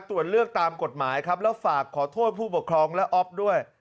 ตรวจเลือกตามกฎหมายครับแล้วฝากขอโทษผู้ปกครองและอ๊อฟด้วย